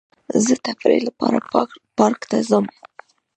زه د تفریح لپاره پارک ته ځم.